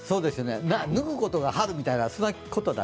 脱ぐことが春みたいな、そんなことかな？